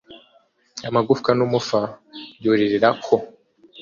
Amagufwa numufa byorerera ko